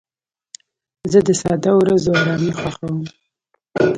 زه د ساده ورځو ارامي خوښوم.